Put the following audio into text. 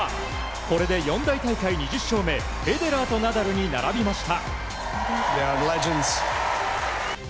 これで四大大会２０勝目フェデラーとナダルに並びました。